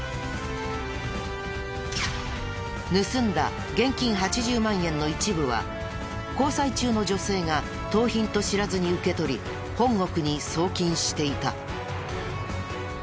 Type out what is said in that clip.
盗んだ現金８０万円の一部は交際中の女性が盗品と知らずに受け取り本国に送金していた。